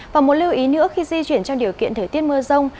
và một lưu ý nữa khi di chuyển trong điều kiện thời tiết mưa rông